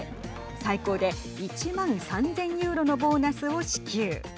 最高で１万３０００ユーロのボーナスを支給。